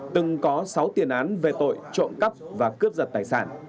từng có sáu tiền án về tội trộm cắp và cướp giật tài sản